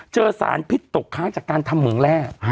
เจอสารพิษตกค้างจากการทำเหมืองแร่